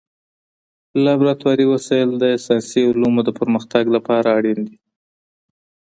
لابراتواري وسایل د ساینسي علومو د پرمختګ لپاره اړین دي.